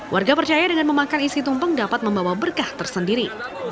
warga percaya dengan memakan isi tumpeng dapat membawa berkah tersendiri